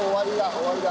終わりだ。